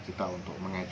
kita untuk menangis